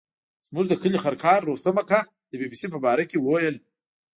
زموږ د کلي خرکار رستم اکا د بي بي سي په باره کې ویل.